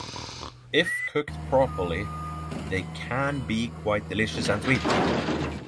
If cooked properly, they can be quite delicious and sweet.